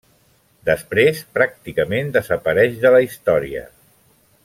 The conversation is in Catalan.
Després pràcticament desapareix de la història.